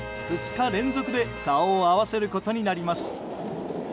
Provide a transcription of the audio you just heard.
２日連続で顔を合わせることになります。